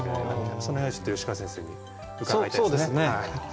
その辺はちょっと吉川先生に伺いたいですね。